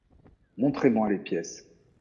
Montrez-moi les pièces...